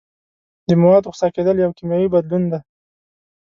د موادو خسا کیدل یو کیمیاوي بدلون دی.